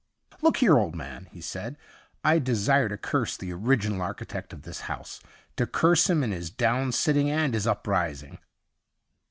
' Look here, old man !' he said. ' I desire to curse the original architect of this house — to curse him in his down sitting and his uprising.'